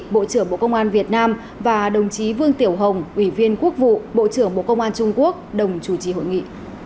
bộ trưởng bộ công an việt nam và đồng chí vương tiểu hồng ủy viên quốc vụ bộ trưởng bộ công an trung quốc đồng chủ trì hội nghị